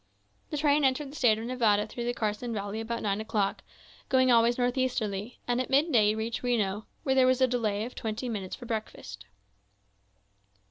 The train entered the State of Nevada through the Carson Valley about nine o'clock, going always northeasterly; and at midday reached Reno, where there was a delay of twenty minutes for breakfast.